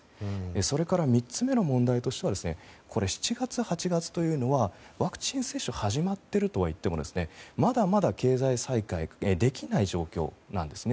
それから、３つ目の問題としては７月、８月というのはワクチン接種が始まっているとはいえまだまだ経済再開できない状況なんですね。